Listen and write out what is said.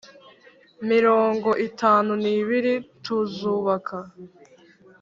Mirongo itanu n ibiri tuzubaka